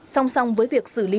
song song với việc xử lý